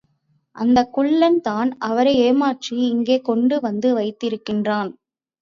அந்தக் குள்ளன் தான் அவரை ஏமாற்றி இங்கே கொண்டு வந்து வைத்திருக்கிறான்.